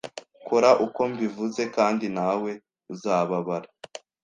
Kora uko mbivuze, kandi ntawe uzababara.